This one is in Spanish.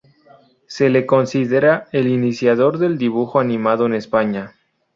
Se le considera el iniciador del dibujo animado en España.